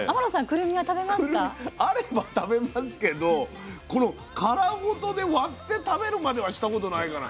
くるみあれば食べますけどこの殻ごとで割って食べるまではしたことないかな。